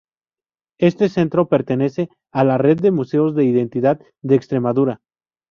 Este centro pertenece a la red de Museos de Identidad de Extremadura.